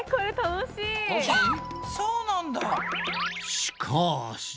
そうなんだ。